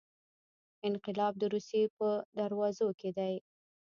انقلاب د روسیې په دروازو کې دی.